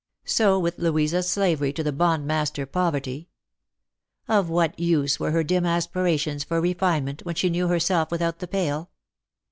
So with Louisa's slavery to the> bond master Poverty. Of what use were her dim aspirations for re finement when she knew herself without the pale